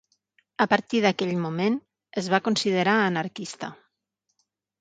A partir d'aquell moment, es va considerar anarquista.